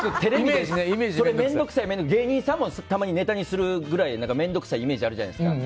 それ面倒くさいって芸人さんもネタにするぐらい面倒くさいイメージあるじゃないですか。